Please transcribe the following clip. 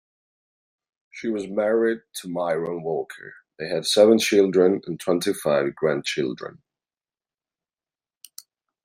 She was married to Myron Walker; they had seven children and twenty-five grandchildren.